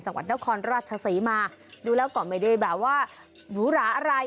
จังหวัดนครราชศรีมาดูแล้วก็ไม่ได้แบบว่าหรูหราอะไร